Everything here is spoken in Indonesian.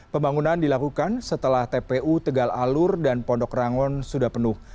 pembangunan dilakukan setelah tpu tegal alur dan pondok rangon sudah penuh